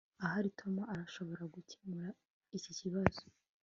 ahari tom arashobora gukemura iki kibazo